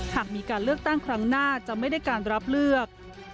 หากมีการเลือกตั้งครั้งหน้าจะไม่ได้การรับเลือก